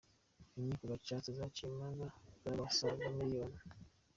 Inkiko Gacaca zaciye imanza z’abasaga miliyoni.